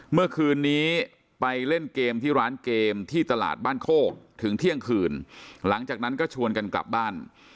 เมื่อคืนนี้ไปเล่นเกมที่ร้านเกมที่ตลาดบ้านโคกถึงเที่ยงคืนหลังจากนั้นก็ชวนกันกลับบ้าน